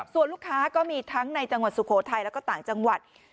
ส่วนลูกค้าก็มีทั้งในจังหวัดสุโขทัยแล้วก็ต่างจังหวัด